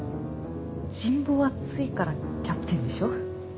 人望厚いからキャプテンでしょ？